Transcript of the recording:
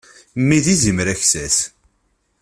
Mmi d izimer aksas.